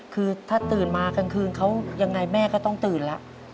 คือถ้าตื่นมากลางคืนเขายังไงแม่ก็ต้องตื่นแล้ว